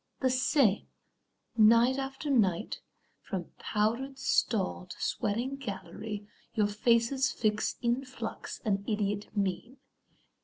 The same, night after night, from powdered stall To sweating gallery, your faces fix In flux an idiot mean.